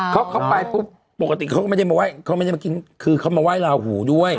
เขาไปปุ๊บปกติเขาก็ไม่ได้มาไห้เขาไม่ได้มากินคือเขามาไหว้ลาหูด้วย